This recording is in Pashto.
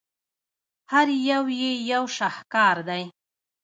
هر یو یې یو شاهکار دی.